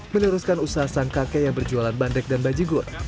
meneruskan usaha banderik dan bajigur